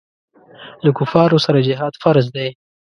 له کفارو سره جهاد فرض دی.